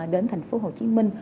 đến thành phố hồ chí minh